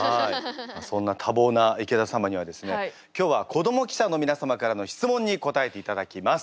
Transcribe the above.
そんな多忙な池田様にはですね今日は子ども記者の皆様からの質問に答えていただきます。